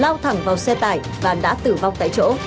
lao thẳng vào xe tải và đã tử vong tại chỗ